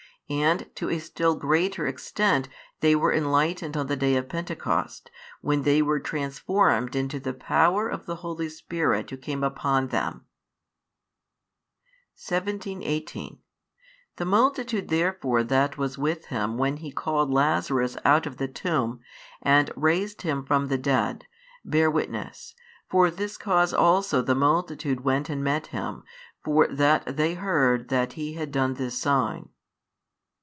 And to a still greater extent they were enlightened on the Day of Pentecost, when they were transformed into the power of the Holy Spirit Who came upon them. 17, 18 The multitude therefore that was with Him when He called Lazarus out of the tomb, and raised him from the dead, bare witness. For this cause also the multitude went and met Him, for that they heard that He had done this sign.